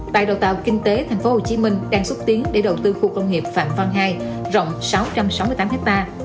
bài đầu tàu kinh tế tp hcm đang xúc tiến để đầu tư khu công nghiệp phạm văn hai rộng sáu trăm sáu mươi tám ha